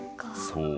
そう。